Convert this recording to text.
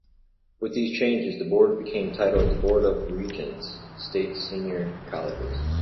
With these changes, the Board became titled the Board of Regents, State Senior Colleges.